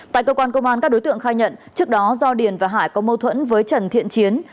tại cơ quan công an các đối tượng khai nhận trước đó do điền và hải có mâu thuẫn với trần thiện chiến